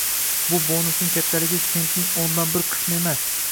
Bu bonusning kattaligi sentning o‘ndan bir qismi emas.